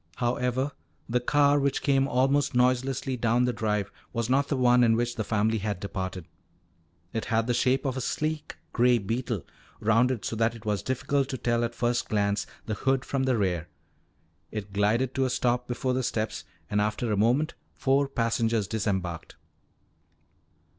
However, the car which came almost noiselessly down the drive was not the one in which the family had departed. It had the shape of a sleek gray beetle, rounded so that it was difficult to tell at first glance the hood from the rear. It glided to a stop before the steps and after a moment four passengers disembarked.